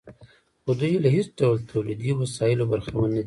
خو دوی له هېڅ ډول تولیدي وسایلو برخمن نه دي